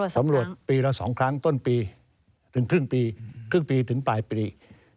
สำรวจปีละ๒ครั้งต้นปีถึงครึ่งปีครึ่งปีถึงปลายปี